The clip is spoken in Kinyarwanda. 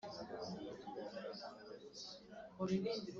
Umuhumeto urarasa.